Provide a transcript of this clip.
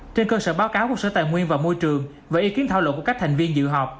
trên cơ sở báo cáo của sở tài nguyên và môi trường và ý kiến thảo luận của các thành viên dự họp